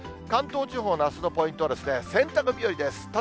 関東地方のあすのポイントは、洗濯日和です。